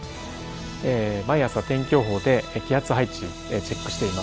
毎朝天気予報で気圧配置チェックしています。